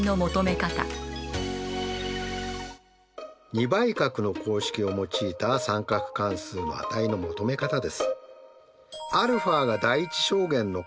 ２倍角の公式を用いた三角関数の値の求め方です。